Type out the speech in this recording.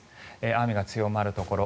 雨が強まるところ